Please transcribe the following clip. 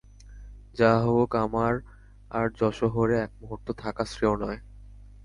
যাহা হউক, আমার আর যশোহরে একমুহূর্ত থাকা শ্রেয় নয়।